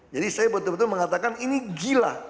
saya betul betul mengatakan ini gila